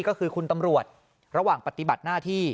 ก็คือคุณตำรวจระหว่างปฏิบัติหน้าที่